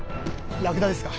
ラクダですか？